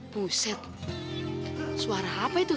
buset suara apa itu